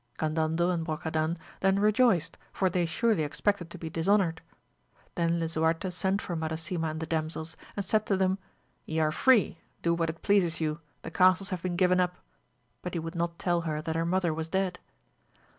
Gandandel and Brocadan then rejoiced, for they surely expected to be dishonoured. Then Lisuarte sent for Madasima and the damsels, and said to them, ye are free ; do what it pleases you, the castles have been given up ; but he would not tell her that her mother was dead.